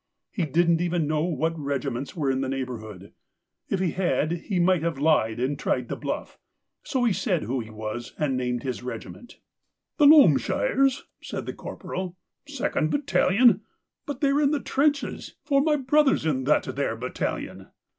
He didn't even know what regiments were in the neighbourhood ; if he had he might have lied and tried a bluff. So he said who he was, and named his regiment. THE COWARD 133 " The Loamshires ?" said the Corporal. " Second battalion ? But they're in the trenches, for my brother's in that there bat talion."